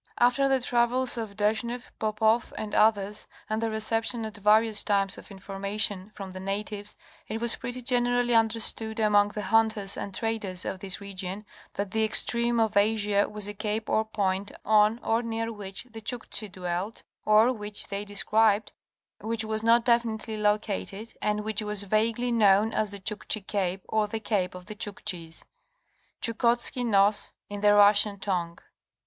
After the travels of Desh neff, Popoff and others and the reception at various times of informa tion from the natives, it was pretty generally understood among the hunters and traders of this region that the extreme of Asia was a cape or point on or near which the Chukchi dwelt, or which they described, which was not definitely located, and which was vaguely known as the Chukchi Cape or the Cape of the Chukchis, Chukotski Noss in the Russian tongue.